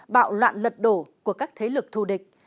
bạo loạn lật đổ của các thế lực thù địch